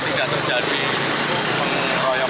ke arah mojoakung